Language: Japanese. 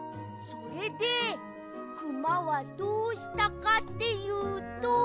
それでくまはどうしたかっていうと。